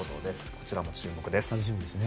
こちらも注目です。